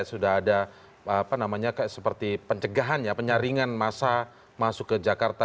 sudah ada seperti pencegahan ya penyaringan masa masuk ke jakarta